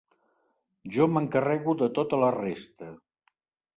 Jo m'encarrego de tota la resta.